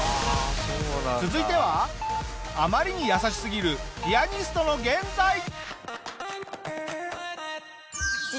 続いてはあまりに優しすぎるピアニストの現在。